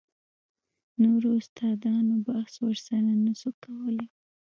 نورو استادانو بحث ورسره نه سو کولاى.